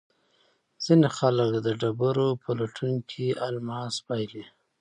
ځینې خلک د ډبرو په لټون کې الماس بایلي.